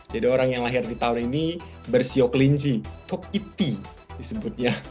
jadi orang yang lahir di tahun ini bersioklinci tok ip ti disebutnya